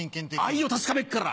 愛を確かめっから。